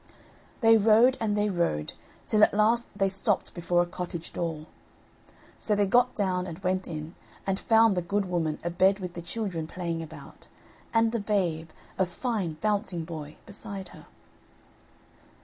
They rode, and they rode, till at last they stopped before a cottage door. So they got down and went in and found the good woman abed with the children playing about; and the babe, a fine bouncing boy, beside her.